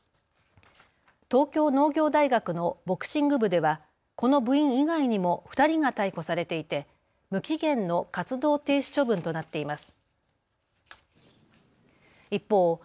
東京農業大学のボクシング部ではこの部員以外にも２人が逮捕されていて無期限の活動停止処分となっています。